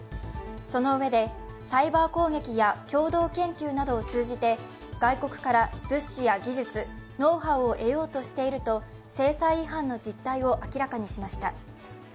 そのうえで、サイバー攻撃や共同研究などを通じて外国から物資や技術、ノウハウを得ようとしていると、制裁違反の実態を明らかにしました。